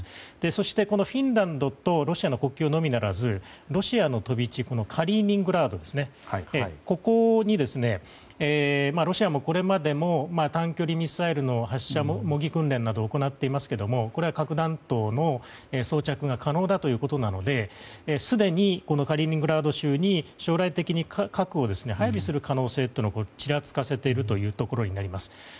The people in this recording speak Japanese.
そして、フィンランドとロシアの国境のみならずロシアの飛び地カリーニングラードでここにロシアもこれまで短距離ミサイルの模擬訓練なども行っていますがこれは核弾頭の装着が可能だということなのですでにこのカリーニングラード州に将来的に核を配備する可能性をちらつかせることになります。